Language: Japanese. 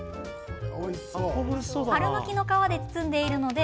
春巻きの皮で包んでいるので